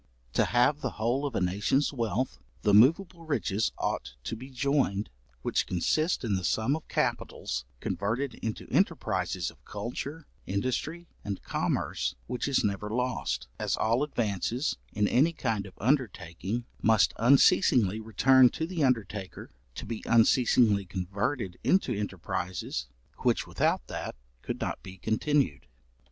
To have the whole of a nation's wealth, the moveable riches ought to be joined, which consist in the sum of capitals converted into enterprises of culture, industry, and commerce, which is never lost; as all advances, in any kind of undertaking, must unceasingly return to the undertaker, to be unceasingly converted into enterprises, which without that could not be continued.